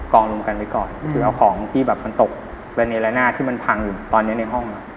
องรวมกันไว้ก่อนคือเอาของที่แบบมันตกระเนละหน้าที่มันพังอยู่ตอนนี้ในห้อง